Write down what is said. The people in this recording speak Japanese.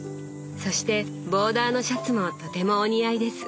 そしてボーダーのシャツもとてもお似合いです。